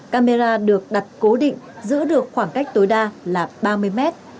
camera được đặt cố định giữ được khoảng cách tối đa là ba mươi mét